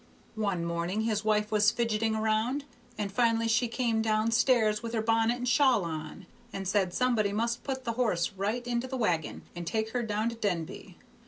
"One morning his wife was fidgeting round, and finally she came down stairs with her bonnet and shawl on, and said somebody must put the horse right into the wagon and take her down to Denby.